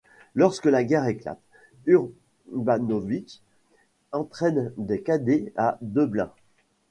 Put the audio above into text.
Lorsque la guerre éclate, Urbanowicz entraîne des cadets à Dęblin.